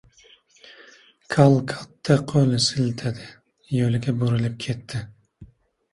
Kal katta qo‘l siltadi. Yo‘liga burilib ketdi.